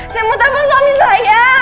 saya mau telfon suami saya